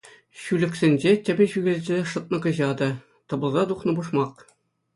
Ҫӳлӗксенче тӗпӗ ҫӳхелсе шӑтнӑ кӑҫатӑ, тӑпӑлса тухнӑ пушмак...